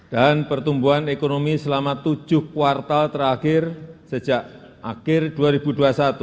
dan pertumbuhan ekonomi selama tujuh kuartal terakhir sejak akhir dua ribu dua puluh satu secara konsisten berada di atas lima persen